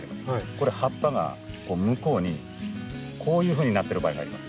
これ葉っぱが向こうにこういうふうになってる場合があります。